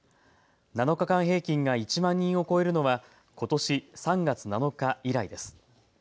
７日間平均が１万人を超えるのはことし３月７日以来です。